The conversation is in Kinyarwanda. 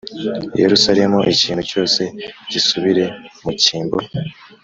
Yerusalemu ikintu cyose gisubire mu cyimbo